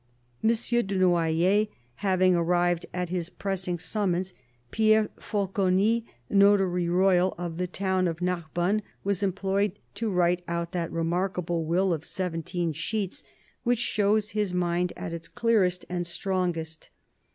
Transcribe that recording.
M. de Noyers having arrived at his pressing summons, Pierre Falconis, notary royal of the town of Narbonne, was employed to write out that remarkable will of seventeen sheets which shows his mind at its clearest and strongest.